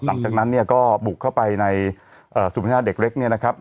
หลังจากนั้นเนี่ยก็บุกเข้าไปในศูนย์พัฒนาเด็กเล็กเนี่ยนะครับ